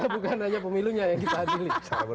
bukan hanya pemilunya yang kita adili